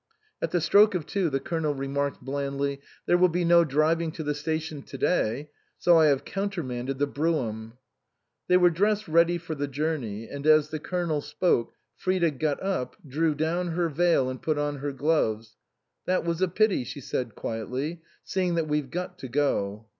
At the stroke of two the Colonel remarked blandly, " There will be no driving to the station to day, so I have countermanded the brougham." They were dressed ready for the journey, and as the Colonel spoke Frida got up, drew down her veil and put on her gloves. "That was a pity," she said quietly, "seeing that we've got to go."